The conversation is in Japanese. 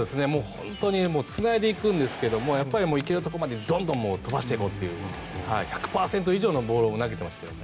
本当につないでいくんですが行けるところまでどんどん飛ばしていこうという１００％以上のボールを投げていましたけどね。